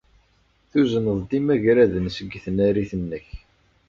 Tuzneḍ-d imagraden seg tnarit-nnek.